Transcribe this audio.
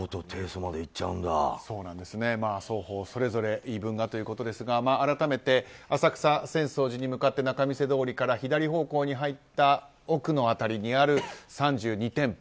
まあ、双方それぞれ言い分がということですが改めて浅草・浅草寺に向かって仲見世通りから左方向に入った奥の辺りにある３２店舗。